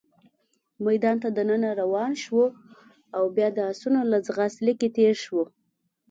میدان ته دننه روان شوو، او بیا د اسونو له ځغاست لیکې تېر شوو.